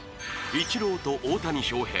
イチローと大谷翔平